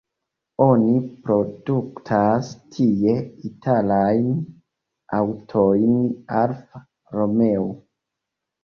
Oni produktas tie italajn aŭtojn Alfa Romeo.